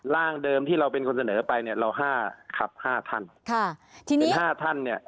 เดิมที่เราเป็นคนเสนอไปเนี่ยเราห้าขับห้าท่านค่ะทีนี้เป็นห้าท่านเนี่ย